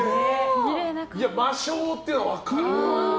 魔性っていうの分かるわ。